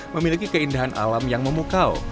memiliki keindahan alam yang memukau